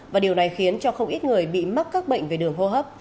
và điều này khiến cho không ít người bị mắc các bệnh về đường hô hấp